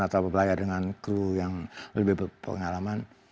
atau berbayar dengan kru yang lebih berpengalaman